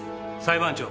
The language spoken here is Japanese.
裁判長。